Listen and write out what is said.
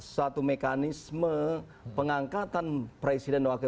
suatu mekanisme pengangkatan presiden